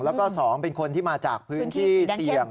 แล้วก็๒เป็นคนที่มาจากพื้นที่เสี่ยง